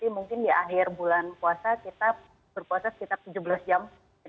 mungkin di akhir bulan puasa kita berpuasa sekitar tujuh belas jam